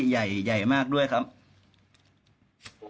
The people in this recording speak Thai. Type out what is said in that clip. ใหญ่ใหญ่มากด้วยครับ